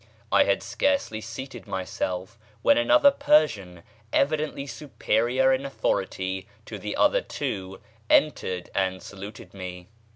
I had scarcely seated myself when another Persian, evidently superior in authority to the other two, entered and saluted me.